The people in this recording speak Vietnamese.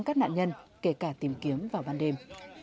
các nạn nhân kể cả tìm kiếm vào ban đêm